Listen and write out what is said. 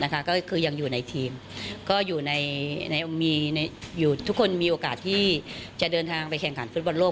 ก็คือยังอยู่ในทีมก็ทุกคนมีโอกาสที่จะเดินทางไปแข่งขันฟุตบอลโลก